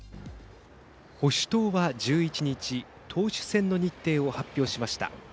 保守党は１１日党首選の日程を発表しました。